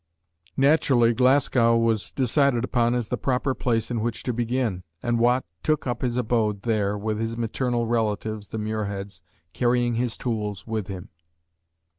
Naturally Glasgow was decided upon as the proper place in which to begin, and Watt took up his abode there with his maternal relatives, the Muirheads, carrying his tools with him.